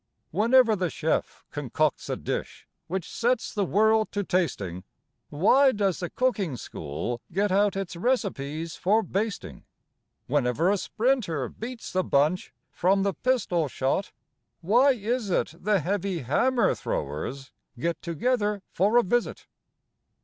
Whenever the chef concocts a dish which sets the world to tasting, Why does the cooking school get out its recipes for basting? Whenever a sprinter beats the bunch from the pistol shot, why is it The heavy hammer throwers get together for a visit?